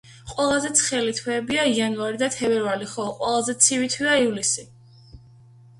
ყველაზე ცხელი თვეებია იანვარი და თებერვალი, ხოლო ყველაზე ცივი თვეა ივლისი.